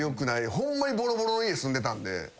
ホンマにボロボロの家住んでたんで。